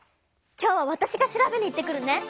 今日はわたしが調べに行ってくるね！